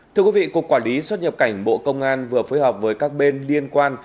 thưa quý vị cục quản lý xuất nhập cảnh bộ công an vừa phối hợp với các bên liên quan